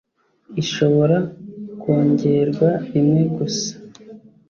ishobora kwongerwa rimwe gusa